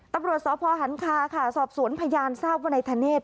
ตำรวจศพหันคาค่ะสอบสวนพญานซาปวนายธัเนธ